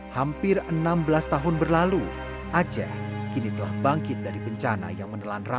hampir enam belas tahun berlalu aceh ini telah bangkit dari bencana yang menelan ratusan ribu orang